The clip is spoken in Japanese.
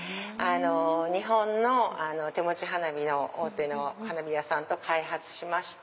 日本の手持ち花火の大手の花火屋さんと開発して。